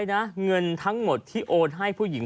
สุดท้ายเงินทั้งหมดที่โอนให้ผู้หญิง